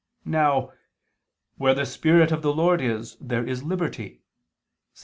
Now "where the Spirit of the Lord is, there is liberty" (2 Cor.